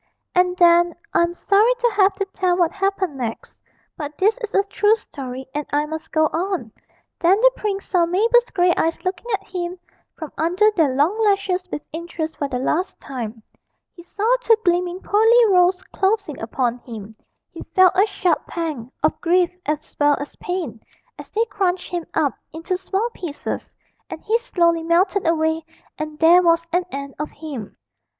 And then I am sorry to have to tell what happened next, but this is a true story and I must go on then the prince saw Mabel's grey eyes looking at him from under their long lashes with interest for the last time, he saw two gleaming pearly rows closing upon him, he felt a sharp pang, of grief as well as pain, as they crunched him up into small pieces, and he slowly melted away and there was an end of him.